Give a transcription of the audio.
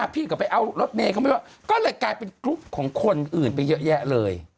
พี่ก็ไปเอารถเมย์เขาไม่ว่าก็เลยกลายเป็นกรุ๊ปของคนอื่นไปเยอะแยะเลย